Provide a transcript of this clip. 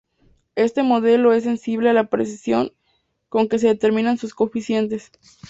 Este modelo es muy sensible a la precisión con que se determinen sus coeficientes.